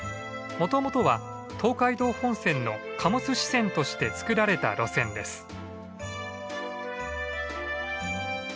もともとは東海道本線の貨物支線として造られた路線です。